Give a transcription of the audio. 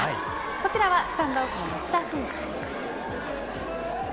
こちらはスタンドオフの松田選手。